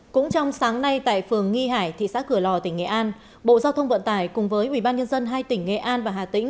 cũng trong sáng nay tại phường nghi hải thị xã cửa lò tỉnh nghệ an bộ giao thông vận tải cùng với ubnd hai tỉnh nghệ an và hà tĩnh